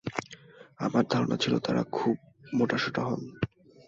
আমার ধারণা ছিল তাঁরা খুব মোটাসোটা হন।